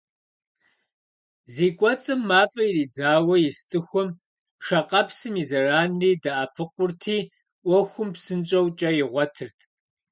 Зи кӏуэцӏым мафӏэ иридзауэ ис цӏыхум шакъэпсым и зэранри «дэӏэпыкъурти», ӏуэхум псынщӏэу кӏэ игъуэтырт.